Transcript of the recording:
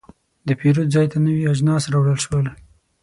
د پیرود ځای ته نوي اجناس راوړل شول.